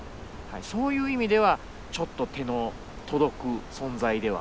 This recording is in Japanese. そういう意味ではちょっと手の届く存在ではありました